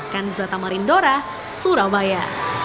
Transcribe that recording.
kan zatamarindora surabaya